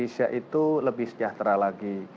indonesia itu lebih sejahtera lagi